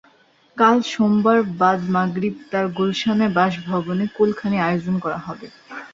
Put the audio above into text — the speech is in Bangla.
কাল সোমবার বাদ মাগরিব তাঁর গুলশানের বাসভবনে কুলখানির আয়োজন করা হবে।